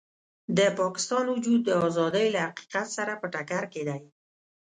د پاکستان وجود د ازادۍ له حقیقت سره په ټکر کې دی.